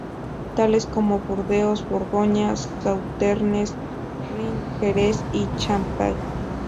Tales como burdeos, borgoña, sauternes, rhin, jerez y champagne.